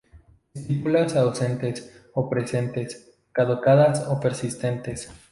Estípulas ausentes o presentes, caducas o persistentes.